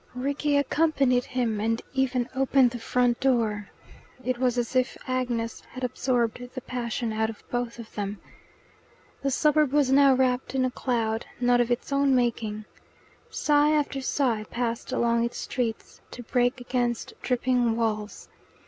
Rickie accompanied him, and even opened the front door. It was as if Agnes had absorbed the passion out of both of them. The suburb was now wrapped in a cloud, not of its own making. Sigh after sigh passed along its streets to break against dripping walls.